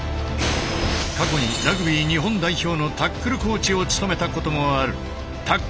過去にラグビー日本代表のタックルコーチを務めたこともあるタックルのスペシャリスト。